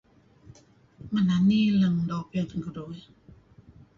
Menani leng doo' piyan keduih